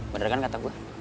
bener kan kata gue